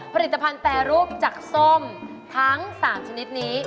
ผลิตภัณฑ์แปรรูปจากส้มทั้ง๓ชนิดนี้